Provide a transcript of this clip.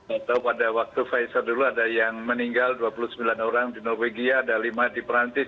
atau pada waktu pfizer dulu ada yang meninggal dua puluh sembilan orang di norwegia ada lima di perancis